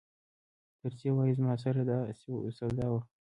طرزي وایي زما سره دا سودا وه.